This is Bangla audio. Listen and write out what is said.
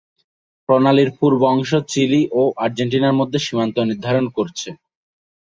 প্রণালীর পূর্ব অংশ চিলি ও আর্জেন্টিনার মধ্যে সীমান্ত নির্ধারণ করেছে।